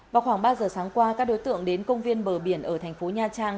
vào khoảng ba giờ sáng qua các đối tượng đến công viên bờ biển ở thành phố nha trang